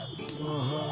ああ。